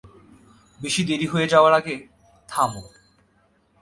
বেশি দেরী হয়ে যাওয়ার আগে, থামো।